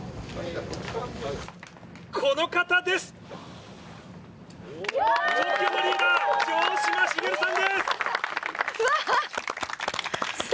この方です。